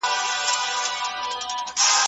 په ښوونځیو کي د روغتیا مضمون سته؟